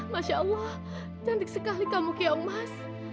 masya allah cantik sekali kamu keong mas